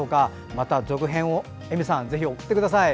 また続編を、Ａｍｙさんぜひ送ってください。